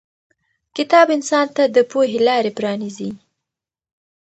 کتاب انسان ته د پوهې لارې پرانیزي.